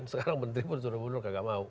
sekarang menteri pun mundur mundur